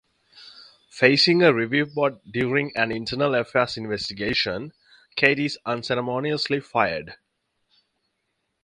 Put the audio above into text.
Facing a review board during an Internal Affairs investigation, Kate is unceremoniously fired.